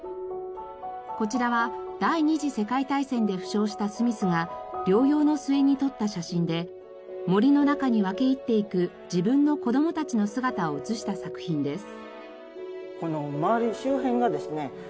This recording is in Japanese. こちらは第２次世界大戦で負傷したスミスが療養の末に撮った写真で森の中に分け入っていく自分の子どもたちの姿を写した作品です。